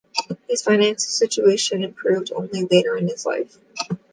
His financial situation improved only later in his life.